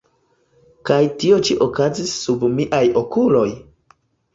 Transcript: Kaj tio ĉi okazis sub miaj okuloj?